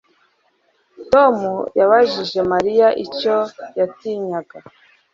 Tom yabajije Mariya icyo yatinyaga